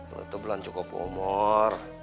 lu tuh belum cukup umur